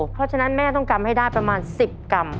เพราะฉะนั้นแม่ต้องกำให้ได้ประมาณ๑๐กรัม